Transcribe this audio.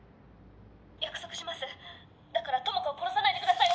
約束しますだから友果を殺さないでください